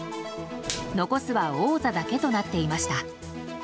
残すは王座だけとなっていました。